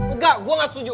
engga gue gak setuju